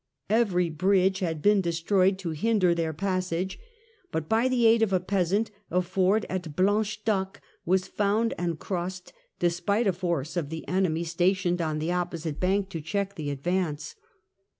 Every bridge had been destroyed to hinder their passage, but by the aid of a peasant a ford at Blanchetaque was found and crossed, despite a force of the enemy stationed on the opposite bank to check the advance.